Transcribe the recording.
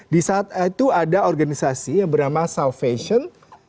di saat itu ada organisasi yang bernama salvation